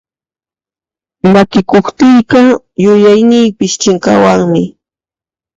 Llakikuqtiyqa yuyayniypis chinkawanmi.